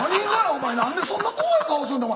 お前何でそんな怖い顔すんねん。